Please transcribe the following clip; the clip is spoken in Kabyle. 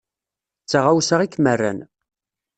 D taɣawsa i kem-rran.